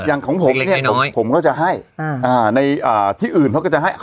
ของผมเนี่ยผมก็จะให้ในที่อื่นเขาก็จะให้